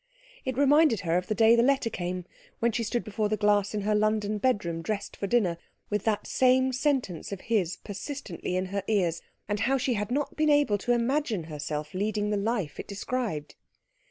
It reminded her of the day the letter came, when she stood before the glass in her London bedroom dressed for dinner, with that same sentence of his persistently in her ears, and how she had not been able to imagine herself leading the life it described.